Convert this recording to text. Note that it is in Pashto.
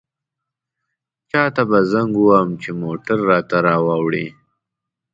چاته به زنګ ووهم چې موټر راته راوړي.